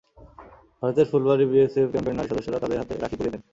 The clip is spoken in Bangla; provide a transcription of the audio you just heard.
ভারতের ফুলবাড়ী বিএসএফ ক্যাম্পের নারী সদস্যরা তাঁদের হাতে রাখী পরিয়ে দেন।